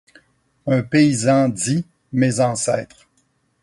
Un paysan dit: Mes ancêtres.